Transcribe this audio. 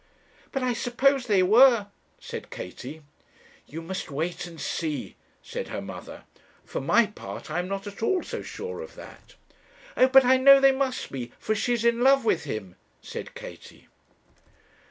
'But I suppose they were,' said Katie. 'You must wait and see,' said her mother; 'for my part I am not at all so sure of that.' 'Oh, but I know they must be; for she's in love with him,' said Katie.